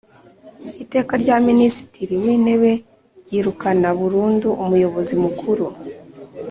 Iteka rya Minisitiri w Intebe ryirukana burundu Umuyobozi Mukuru